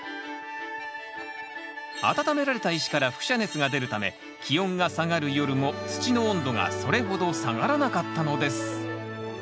温められた石から輻射熱が出るため気温が下がる夜も土の温度がそれほど下がらなかったのです。